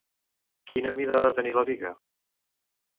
Quina mida ha de tenir la biga?